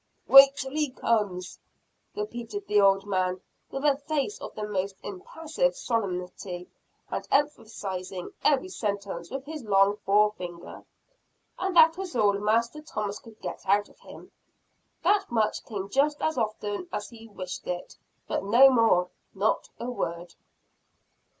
Wait till he comes," repeated the old man, with a face of the most impassive solemnity, and emphasizing every sentence with his long fore finger. And that was all Master Thomas could get out of him. That much came just as often as he wished it; but no more not a word.